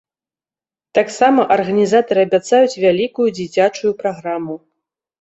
Таксама арганізатары абяцаюць вялікую дзіцячую праграму.